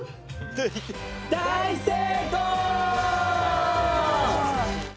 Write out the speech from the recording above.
大成功！